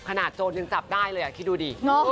ขนาดโจรย์ยังจับได้เลยอะคิดดูดิ